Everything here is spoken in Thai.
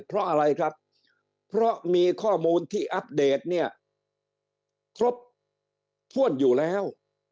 เพราะอะไรครับเพราะมีข้อมูลที่อัปเดตเนี่ยครบถ้วนอยู่แล้ว